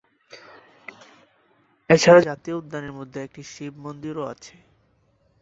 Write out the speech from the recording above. এছাড়া জাতীয় উদ্যানের মধ্যে একটি শিব মন্দিরও আছে।